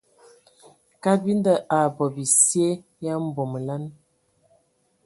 Kabinda a bɔ bisye ya mbomolan.